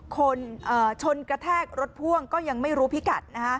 คนชนกระแทกรถพ่วงก็ยังไม่รู้พิกัด